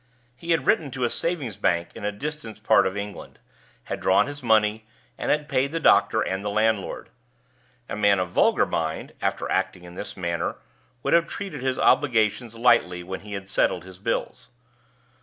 He had written to a savings bank in a distant part of England, had drawn his money, and had paid the doctor and the landlord. A man of vulgar mind, after acting in this manner, would have treated his obligations lightly when he had settled his bills.